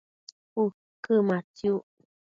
ma uquëmatsiuc?